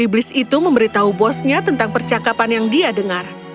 iblis itu memberitahu bosnya tentang percakapan yang dia dengar